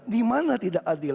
di mana tidak adil